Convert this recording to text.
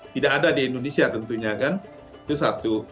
tidak ada di indonesia tentunya kan itu satu